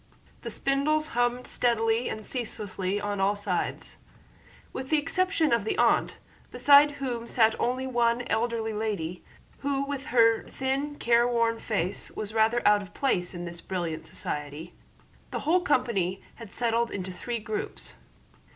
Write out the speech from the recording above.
The spindles hummed steadily and ceaselessly on all sides. With the exception of the aunt, beside whom sat only one elderly lady, who with her thin careworn face was rather out of place in this brilliant society, the whole company had settled into three groups.